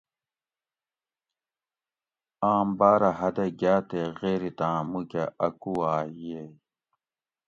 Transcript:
آم باۤرہ حدہ گاۤ تے غیریتاۤن مُوکہ اۤ کُوواۤئ ییئ